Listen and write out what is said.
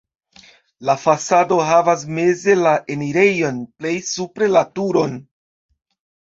La fasado havas meze la enirejon, plej supre la turon.